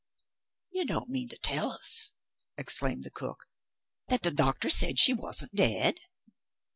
"You don't mean to tell us," exclaimed the cook, "that the doctor said she wasn't dead?"